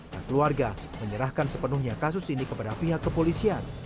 dan keluarga menyerahkan sepenuhnya kasus ini kepada pihak kepolisian